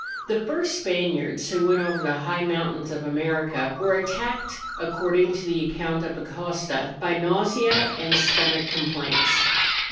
The first Spaniards who went over the high moun¬ tains of America were attacked, according to the account of Acosta, by nausea and stomach com¬ plaints.